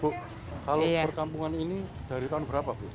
kalau perkampungan ini dari tahun berapa